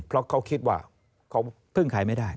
เพราะเขาคิดว่าเขาพึ่งใครไม่ได้